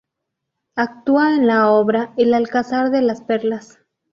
Actúa en la obra "El Alcázar de las Perlas".